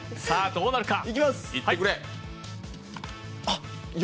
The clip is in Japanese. さあ、どうなるか。